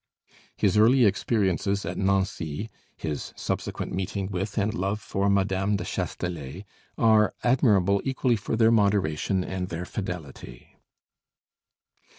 '" His early experiences at Nancy, his subsequent meeting with and love for Mme. de Chasteller, are admirable equally for their moderation and their fidelity.